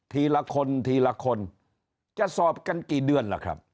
ทีละคนทีละคนจะสอบกันกี่เดือนล่ะครับ